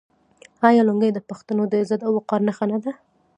آیا لونګۍ د پښتنو د عزت او وقار نښه نه ده؟